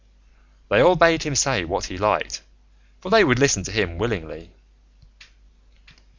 They all bade him say what he liked, for they would listen to him willingly.